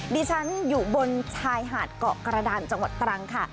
ดิฉันอยู่บนชายหาดเกาะกระดานจังหวัดตรังค่ะ